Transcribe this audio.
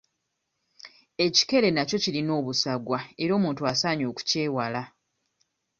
Ekikere nakyo kirina obusagwa era omuntu asaanye okukyewala.